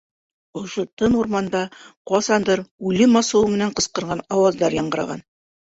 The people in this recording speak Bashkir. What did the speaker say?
Ошо тын урманда ҡасандыр үлем асыуы менән ҡысҡырған ауаздар яңғыраған.